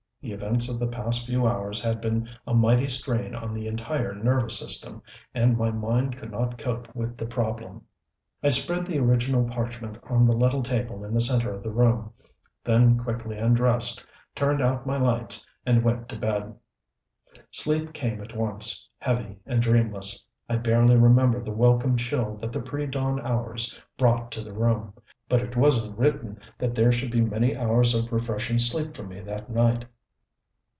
The events of the past few hours had been a mighty strain on the entire nervous system, and my mind could not cope with the problem. I spread the original parchment on the little table in the center of the room, then quickly undressed, turned out my lights, and went to bed. Sleep came at once, heavy and dreamless. I barely remember the welcome chill that the pre dawn hours brought to the room. But it wasn't written that there should be many hours of refreshing sleep for me that night.